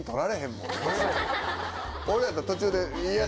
俺やったら途中で。